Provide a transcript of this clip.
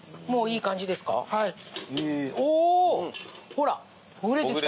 ほらほぐれてきた。